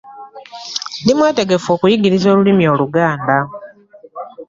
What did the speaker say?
Ndi mwetegefu okkuyigiriza olulimi oluganda.